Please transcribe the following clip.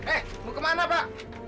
eh mau ke mana pak